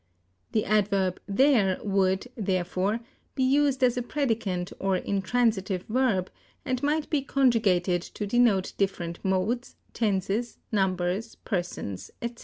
The adverb there would, therefore, be used as a predicant or intransitive verb, and might be conjugated to denote different modes, tenses, numbers, persons, etc.